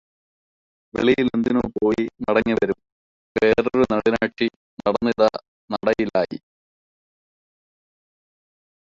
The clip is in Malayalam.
വെളിയിലെന്തിനോ പോയി മടങ്ങിവരും വേറൊരു നളിനാക്ഷി നടന്നിതാ നടയിലായി.